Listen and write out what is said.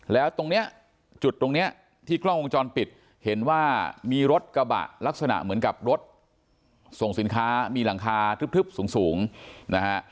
แล้วตรงเนี้ยจุดตรงเนี้ยที่กล้องวงจรปิดเห็นว่ามีรถกระบะลักษณะเหมือนกับรถส่งสินค้ามีหลังคาทึบสูงนะฮะ